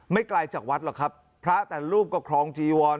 ไกลจากวัดหรอกครับพระแต่รูปก็ครองจีวร